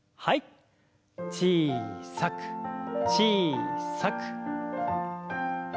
小さく小さく。